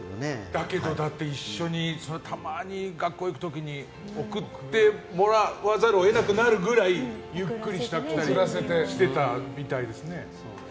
だけどだってたまに学校に行く時に送ってもらわざるを得なくなるぐらいゆっくりと支度をしてたみたいですね。